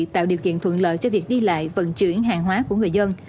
tạo điều kiện thuận lợi cho việc đi lại vận chuyển hàng hóa của người dân